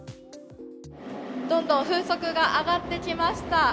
どんどん風速が上がってきました。